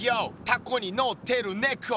タコにのってるねこ」